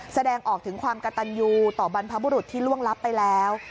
แสดงออกถึงความกระตันยูต่อบรรพบุรุษที่ล่วงลับไปแล้ว